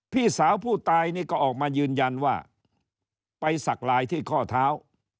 พี่สาวผู้ตายนี่ก็ออกมายืนยันว่าไปสักลายที่ข้อเท้า